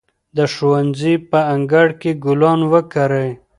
د ښوونځي په انګړ کې ګلان وکرئ.